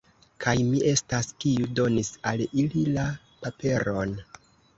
Kaj mi estas, kiu donis al ili la paperon!